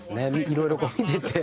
いろいろこう見てて。